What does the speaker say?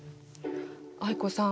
藍子さん